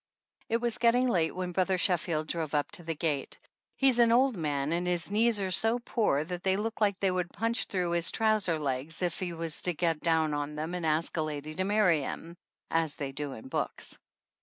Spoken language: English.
It was getting late when brother Sheffield drove up to the gate. He is an old man and his knees are so poor that they look like they would punch through his trousers legs if he was to get down on them to ask a lady to marry him, as they do in books.